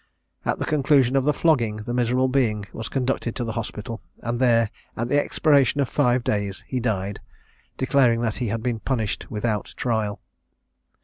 At the conclusion of the flogging, the miserable being was conducted to the hospital, and there, at the expiration of five days, he died, declaring that he had been punished without trial.